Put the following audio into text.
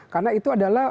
karena itu adalah